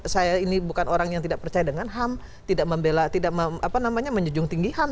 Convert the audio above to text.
saya ini bukan orang yang tidak percaya dengan ham tidak membela tidak menjunjung tinggi ham